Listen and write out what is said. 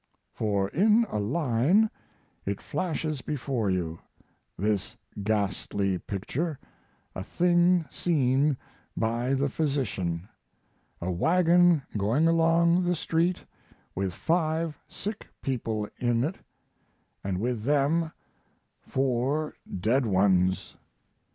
For in a line it flashes before you this ghastly picture a thing seen by the physician: a wagon going along the street with five sick people in it, and with them four dead ones.